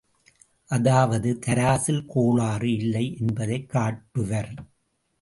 அதாவது தராசில் கோளாறு இல்லை என்பதைக் காட்டுவர்!